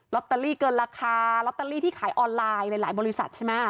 ตเตอรี่เกินราคาลอตเตอรี่ที่ขายออนไลน์หลายบริษัทใช่ไหม